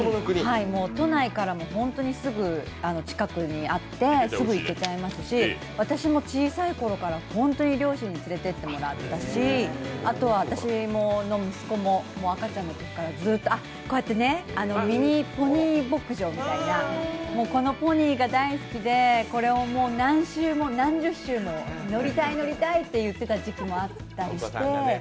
都内からも本当にすぐ近くにいってすぐ行けちゃいますし、私も小さい頃から本当に両親に連れていってもらったしあとは私の息子も赤ちゃんのときからずっと、こうやってポニー牧場みたいなこのポニーが大好きで、これを何周も何十周も乗りたい乗りたいって言ってた時期もあったりして。